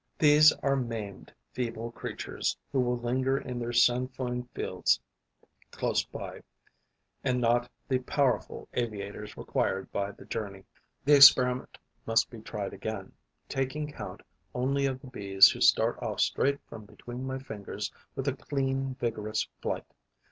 These are maimed, feeble creatures, who will linger in the sainfoin fields close by, and not the powerful aviators required by the journey. The experiment must be tried again, taking count only of the Bees who start off straight from between my fingers with a clean, vigorous flight.